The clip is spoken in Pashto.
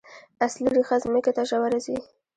اصلي ریښه ځمکې ته ژوره ځي